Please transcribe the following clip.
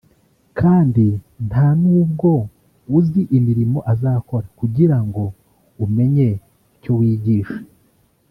kandi nta n’ubwo uzi imirimo azakora kugira ngo umenye icyo wigisha"